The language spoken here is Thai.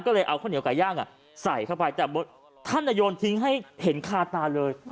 ก็เลยเอาข้าวเหนียวไก่ย่างใส่เข้าไปแต่ท่านโยนทิ้งให้เห็นคาตาเลย